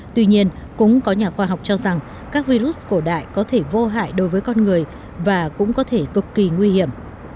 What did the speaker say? tuy nhiên cũng có nhà khoa học cho rằng các virus cổ đại có thể vô hại đối với con người và cũng có thể cực kỳ nguy hiểm